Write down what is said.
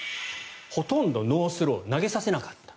ほとんどノースロー投げさせなかった。